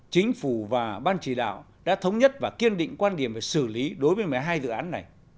chính phủ và ban chỉ đạo đã thống nhất và kiên định quan điểm về xử lý đối với một mươi hai dự án này